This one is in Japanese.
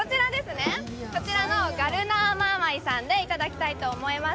こちらのガルナーマーマイさんでいただきたいと思います。